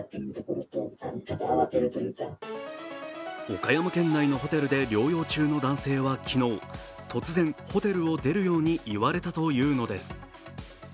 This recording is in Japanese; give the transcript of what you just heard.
岡山県内のホテルで療養中の男性は昨日、突然ホテルを出るように言われたというのです。